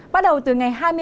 bắt đầu từ ngày hai mươi bảy